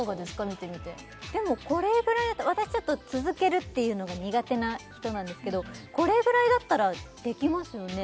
見てみてでもこれぐらいだったら私ちょっと続けるっていうのが苦手な人なんですけどこれぐらいだったらできますよね